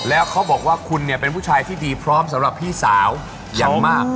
แล้วเขาบอกว่าคุณเนี่ยเป็นผู้ชายที่ดีพร้อมสำหรับพี่สาวอย่างมาก